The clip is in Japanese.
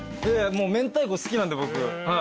明太子好きなんで僕。